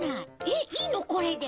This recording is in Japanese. えっいいのこれで？